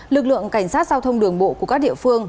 lực lượng cảnh sát giao thông đường bộ của các địa phương